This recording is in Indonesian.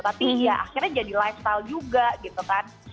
tapi ya akhirnya jadi lifestyle juga gitu kan